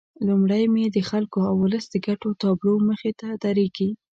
لومړی مې د خلکو او ولس د ګټو تابلو مخې ته درېږي.